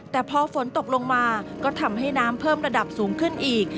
แต่พอฝนตกลงมาก็ทำให้น้ำเพิ่มระดับสูงขึ้นอีก